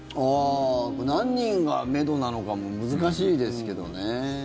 何人がめどなのかも難しいですけどね。